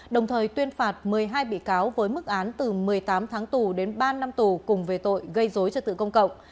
đồng thời tuyên phạt một mươi hai bị cáo với mức án từ một mươi tám tháng tù đến ba năm tù cùng về tội gây dối cho tự công cộng